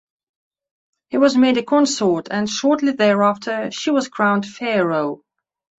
He was made a consort and, shortly thereafter, she was crowned pharaoh.